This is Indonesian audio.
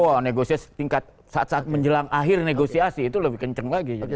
wah negosiasi tingkat saat saat menjelang akhir negosiasi itu lebih kenceng lagi